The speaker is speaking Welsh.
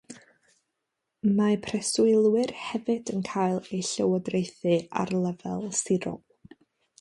Mae preswylwyr hefyd yn cael eu llywodraethu ar lefel sirol.